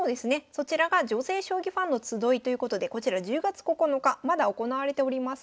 そちらが「女性将棋ファンのつどい」ということでこちら１０月９日まだ行われておりません。